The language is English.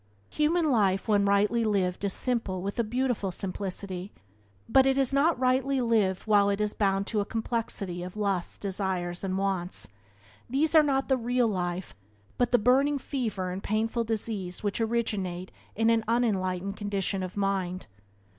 Human life when rightly lived is simple with a beautiful simplicity, but it is not rightly lived while it is bound to a complexity of lusts, desires, and wants — these are not the real life but the burning fever and painful disease which originate in an unenlightened condition of mind.